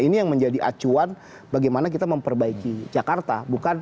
ini yang menjadi acuan bagaimana kita memperbaiki jakarta